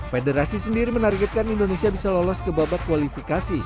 federasi sendiri menargetkan indonesia bisa lolos ke babak kualifikasi